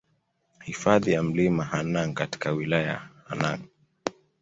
Hifadhi ya Mlima Hanang katika wilaya Hanang